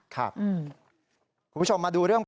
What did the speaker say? ครับ